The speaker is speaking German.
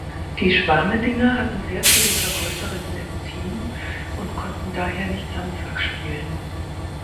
Die Schwamedinger hatten sehr viele Verkäuferinnen im Team und konnten daher nicht samstags spielen.